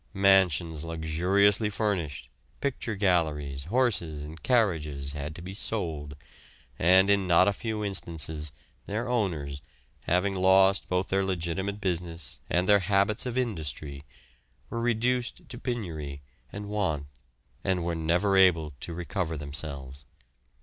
Mansions luxuriously furnished, picture galleries, horses, and carriages had to be sold, and in not a few instances, their owners, having lost both their legitimate business and their habits of industry, were reduced to penury and want, and were never able to recover themselves.